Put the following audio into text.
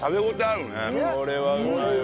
これはうまいわ。